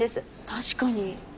確かに。